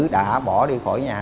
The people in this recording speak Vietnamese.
đã bỏ đi khỏi nhà